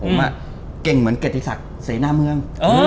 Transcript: ผมเก่งเหมือนเกติศักดิ์เสนาเมือง